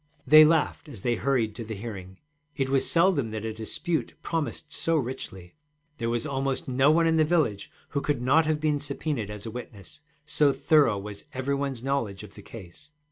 They laughed as they hurried to the hearing: it was seldom that a dispute promised so richly. There was almost no one in the village who could not have been subpœnaed as a witness, so thorough was every one's knowledge of the case.